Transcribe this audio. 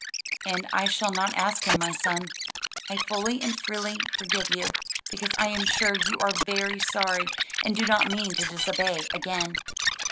"And I shall not ask him, my son. I fully and freely forgive you, because I am sure you are very sorry and do not mean to disobey again."